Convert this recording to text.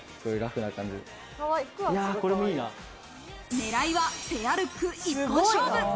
狙いはペアルック一本勝負。